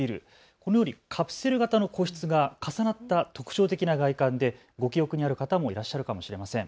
このようにカプセル型の個室が重なった特徴的な外観でご記憶にある方もいらっしゃるかもしれません。